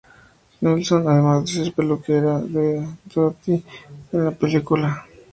Nelson, además de ser la peluquera de Dorothy en la película.